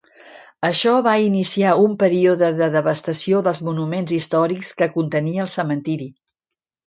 Això va iniciar un període de devastació dels monuments històrics que contenia el cementiri.